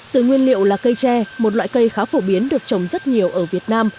từ nguyên liệu là cây tre một loại cây khá phổ biến được trồng rất nhiều ở việt nam